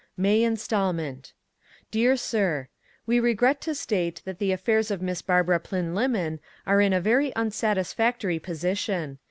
MAY INSTALMENT Dear Sir: We regret to state that the affairs of Miss Barbara Plynlimmon are in a very unsatisfactory position.